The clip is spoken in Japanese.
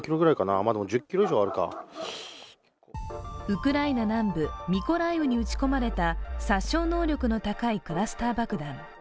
ウクライナ南部ミコライウに撃ち込まれた殺傷能力の高いクラスター爆弾。